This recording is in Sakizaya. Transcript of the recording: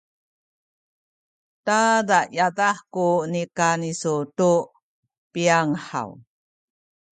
tada yadah ku nikan isu tu piyang haw?